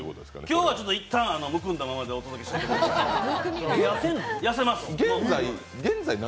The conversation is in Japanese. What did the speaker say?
今日は、いったんむくんだままでお届けしたいと思いますけど。